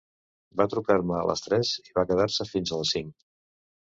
Va trucar-me a les tres i va quedar-se fins a les cinc.